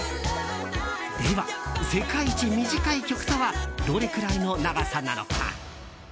では、世界一短い曲とはどれくらいの長さなのか？